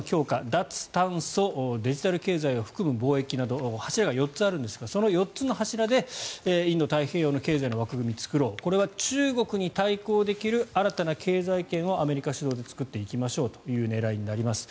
脱炭素デジタル経済を含む貿易など柱が４つあるんですがその４つの柱でインド太平洋の経済の枠組みを作ろうこれは中国に対抗できる新たな経済圏をアメリカ主導で作っていきましょうという狙いになります。